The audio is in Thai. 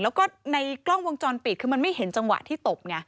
แล้วก็ในกล้องวงจรปิดคือมันไม่เห็นจังหวะที่ตบไง